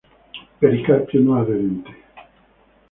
Pericarpio no adherente.